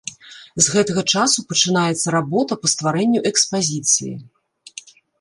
З гэтага часу пачынаецца работа па стварэнню экспазіцыі.